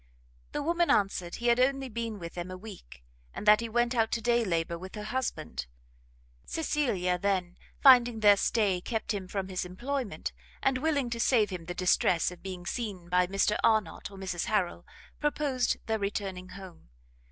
The woman answered he had only been with them a week, and that he went out to day labour with her husband. Cecilia then, finding their stay kept him from his employment, and willing to save him the distress of being seen by Mr Arnott or Mrs Harrel, proposed their returning home.